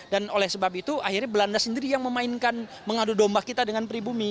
dan oleh sebab itu akhirnya belanda sendiri yang memainkan mengadu domba kita dengan pribumi